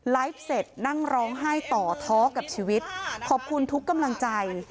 เสร็จนั่งร้องไห้ต่อท้อกับชีวิตขอบคุณทุกกำลังใจ